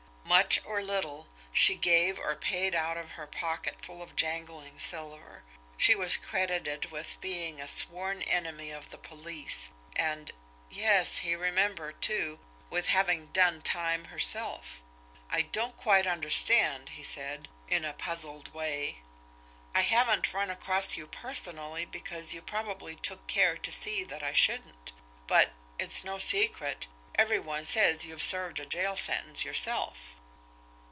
Much or little, she gave or paid out of her pocketful of jangling silver. She was credited with being a sworn enemy of the police, and yes, he remembered, too with having done "time" herself. "I don't quite understand," he said, in a puzzled way. "I haven't run across you personally because you probably took care to see that I shouldn't; but it's no secret every one says you've served a jail sentence yourself."